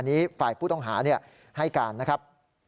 อันนี้ฝ่ายผู้ต้องหาให้การนะครับ